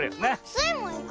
スイもいく！